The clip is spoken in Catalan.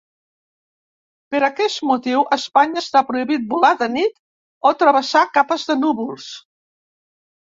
Per aquest motiu, a Espanya està prohibit volar de nit o travessar capes de núvols.